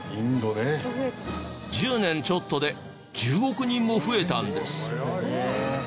１０年ちょっとで１０億人も増えたんです。